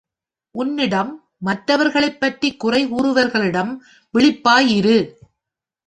உன்னிடம் மற்றவர்களைப் பற்றி குறை கூறுகிறவர்களிடம் விழிப்பாயிரு.